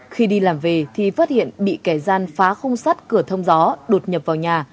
khi đi làm về thì phát hiện bị kẻ gian phá khung sắt cửa thông gió đột nhập vào nhà